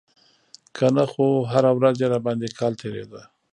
که نه خو هره ورځ يې راباندې کال تېرېده.